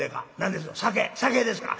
酒ですか？